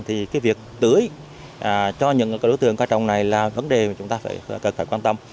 thì việc tưới cho những đối tượng cao trọng này là vấn đề mà chúng ta phải quan tâm